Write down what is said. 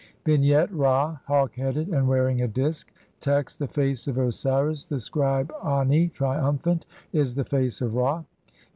Vignette : Ra, hawk headed, and wearing a disk. Text : (2) The face of Osiris, the scribe Ani, triumphant, is the face of Ra.